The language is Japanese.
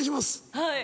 はい。